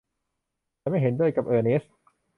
ฉันไม่เห็นด้วยกับเออร์เนสท์